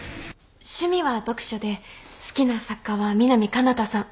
趣味は読書で好きな作家は美南彼方さん。